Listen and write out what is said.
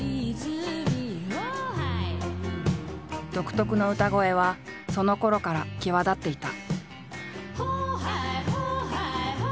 独特の歌声はそのころから際立っていた。